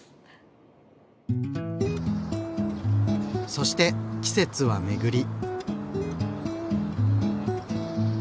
そして季節はめぐり。